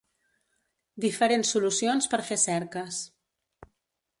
Diferents solucions per fer cerques.